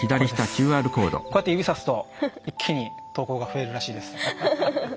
こうやって指さすと一気に投稿が増えるらしいです。